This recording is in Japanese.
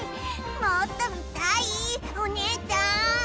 もっと見たいお姉ちゃん！